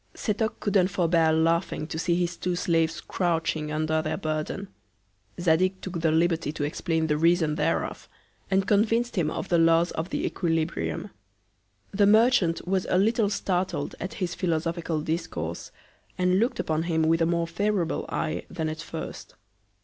Setoc, couldn't forbear laughing to see his two Slaves crouching under their Burthen. Zadig took the Liberty to explain the Reason thereof; and convinc'd him of the Laws of the Equilibrium. The Merchant was a little startled at his philosophical Discourse, and look'd upon him with a more favourable Eye than at first.